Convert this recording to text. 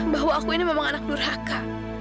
bahwa aku ini memang anak durhaka